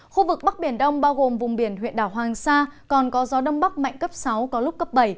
khu vực bắc biển đông bao gồm vùng biển huyện đảo hoàng sa còn có gió đông bắc mạnh cấp sáu có lúc cấp bảy